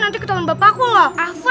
nanti ketahuan bapakku loh